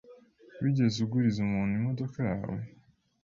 Wigeze uguriza umuntu imodoka yawe?